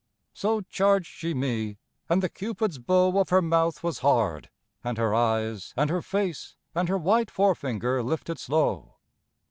—So charged she me; and the Cupid's bow Of her mouth was hard, and her eyes, and her face, And her white forefinger lifted slow.